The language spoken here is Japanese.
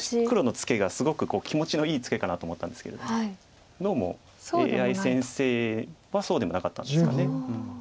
黒のツケがすごく気持ちのいいツケかなと思ったんですけれどもどうもＡＩ先生はそうでもなかったんですかね。